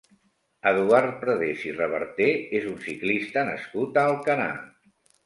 Eduard Prades i Reverter és un ciclista nascut a Alcanar.